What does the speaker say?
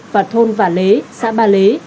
và thôn vả lế xã ba lế